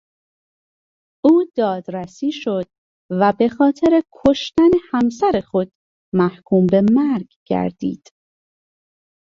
او دادرسی شد و به خاطر کشتن همسر خود محکوم به مرگ گردید.